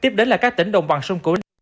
tiếp đến là các tỉnh đồng bằng sông cổ